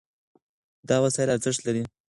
دا وسایل ارزښت لري.